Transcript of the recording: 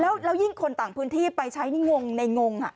แล้วยิ่งคนต่างพื้นที่ไปใช้นี่งงในงง